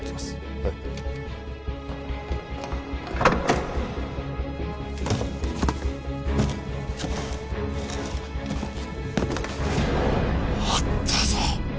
あったぞ！